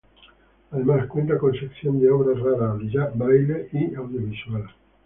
Además cuenta con sección de obras raras, braille, y audiovisual.